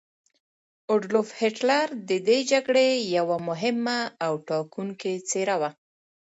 اډولف هیټلر د دې جګړې یوه مهمه او ټاکونکې څیره وه.